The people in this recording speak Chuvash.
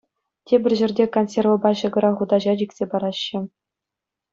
Тепӗр ҫӗрте консервӑпа ҫӑкӑра хутаҫа чиксе параҫҫӗ.